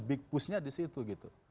big pushnya di situ gitu